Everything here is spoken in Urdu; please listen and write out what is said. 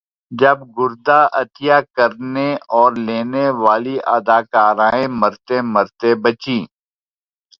جب گردہ عطیہ کرنے اور لینے والی اداکارائیں مرتے مرتے بچیں